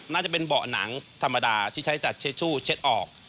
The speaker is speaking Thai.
น่าจะเป็นเบาะหนังธรรมดาที่ใช้ตัดเชชชู่เช็ดออก